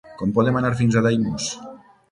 Com podem anar fins a Daimús?